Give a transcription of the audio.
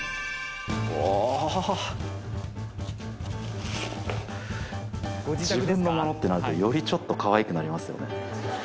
おお自分のものってなるとよりちょっとかわいくなりますよね